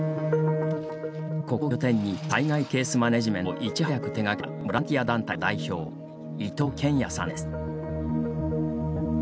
ここを拠点に災害ケースマネジメントをいち早く手がけてきたボランティア団体の代表伊藤健哉さんです。